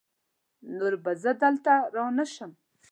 نور به زه دلته رانشم!